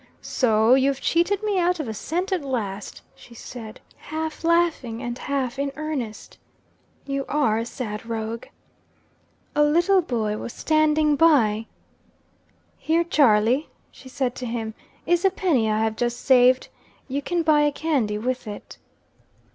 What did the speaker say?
'So you've cheated me out of a cent at last,' she said, half laughing and half in earnest; 'you are a sad rogue.' A little boy was standing by. 'Here, Charley,' she said to him, 'is a penny I have just saved. You can buy a candy with it.'